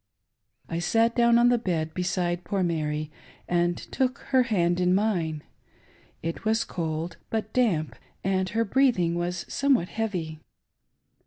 I sat down on the bed, beside poor Mary, and took her hand in mine. It was cold but damp, and her breathing was somewhat heavy.